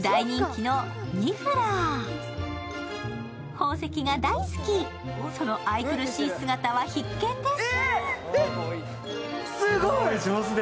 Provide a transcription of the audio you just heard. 宝石が大好き、その愛くるしい姿は必見です。